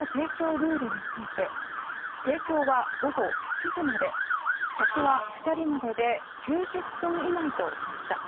ルールについて提供は午後７時まで客は２人までで９０分以内としました。